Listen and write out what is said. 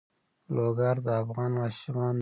لوگر د افغان ماشومانو د زده کړې موضوع ده.